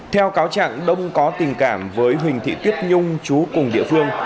theo cáo chẳng đông có tình cảm với huỳnh thị tuyết nhung trú cùng địa phương